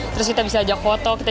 terus kita bisa ajak foto